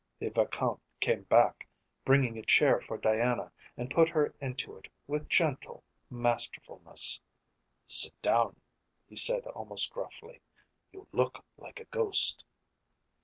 The Vicomte came back, bringing a chair for Diana, and put her into it with gentle masterfulness. "Sit down," he said almost gruffly. "You look like a ghost."